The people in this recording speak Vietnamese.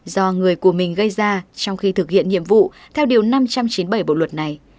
do người của mình gây ra trong khi thực hiện nhiệm vụ theo điều năm trăm chín mươi bảy bộ luật này